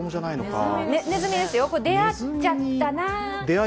ネズミですよ、出会っちゃったなあ。